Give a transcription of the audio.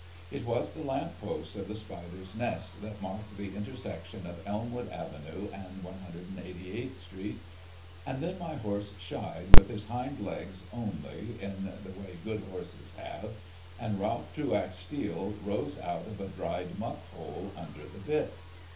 It was the lamp post of the spider's nest that marked the intersection of Elmwood avenue and 188th street. And then my horse shied, with his hind legs only, in the way good horses have, and Ralph Truax Steele rose out of a dried muck hole under the bit.